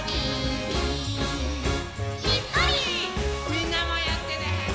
みんなもやってね。